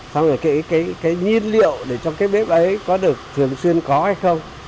xong rồi cái nhiên liệu để trong cái bếp đấy có được thường xuyên có hay không